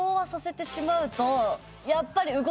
やっぱり。